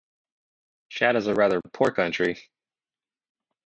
Chad is a rather poor country.